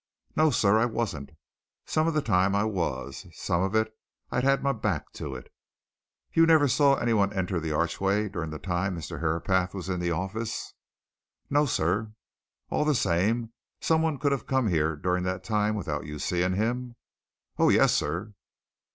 "No, sir, I wasn't. Some of the time I was some of it I'd my back to it." "You never saw any one enter the archway during the time Mr. Herapath was in the office?" "No, sir." "All the same, some one could have come here during that time without your seeing him?" "Oh, yes, sir!"